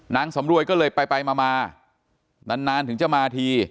นางสำรวยก็เลยไปมานานถึงจะมาที